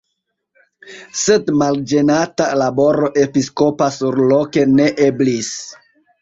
Sed malĝenata laboro episkopa surloke ne eblis.